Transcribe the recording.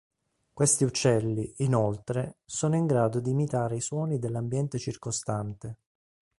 Questi uccelli, inoltre, sono in grado di imitare i suoni dell'ambiente circostante.